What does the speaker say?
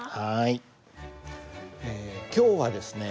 え今日はですね